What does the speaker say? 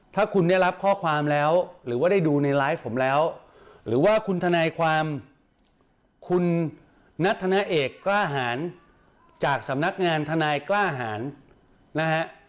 ถ้าคุณได้รับข้อความแล้วหรือว่าได้ดูในไลฟ์ผมแล้วหรือว่าคุณทนายความคุณนัทธนาเอกกล้าหารจากสำนักงานทนายกล้าหารนะฮะ